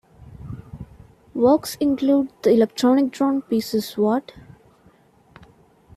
Works include the electronic drone pieces What??